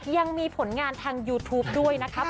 ยังมีผลงานทางยูทูปด้วยนะครับ